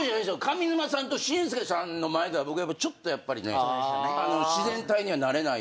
上沼さんと紳助さんの前では僕ちょっとやっぱりね自然体にはなれないところがあって。